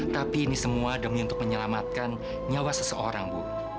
tapi ini semua demi untuk menyelamatkan nyawa seseorang bu